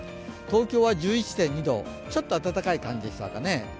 東京は１１．２度、ちょっと暖かい感じでしょうかね。